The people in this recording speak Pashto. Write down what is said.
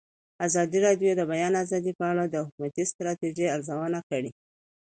ازادي راډیو د د بیان آزادي په اړه د حکومتي ستراتیژۍ ارزونه کړې.